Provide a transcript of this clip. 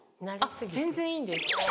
全然いいんです。